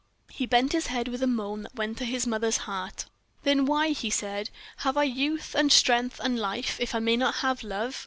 He bent his head with a moan that went to his mother's heart. "Then why," he said, "have I youth, and strength, and life, if I may not have love?